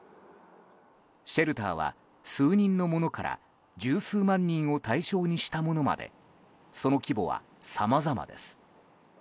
シェルターは、数人のものから十数万人を対象にしたものまでその規模はさまざまです。